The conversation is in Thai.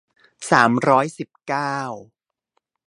สามร้อยสิบเก้า